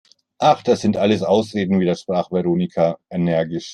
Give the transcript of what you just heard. Ach, das sind alles Ausreden!, widersprach Veronika energisch.